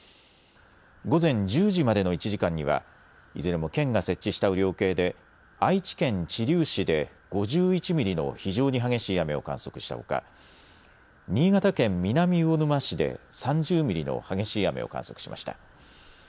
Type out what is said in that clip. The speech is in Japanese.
午前１０時までの１時間にはいずれも県が設置した雨量計で愛知県知立市で５１ミリの非常に激しい雨を観測したほか新潟県南魚沼市で３０ミリの激しい雨を観測しました。